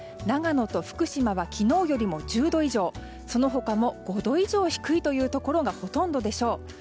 長野と福島は昨日よりも１０度以上その他も５度以上低いところがほとんどでしょう。